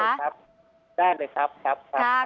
ได้เลยครับครับครับ